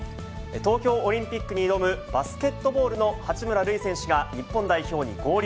東京オリンピックに挑む、バスケットボールの八村塁選手が日本代表に合流。